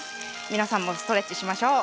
皆さんもストレッチしましょう。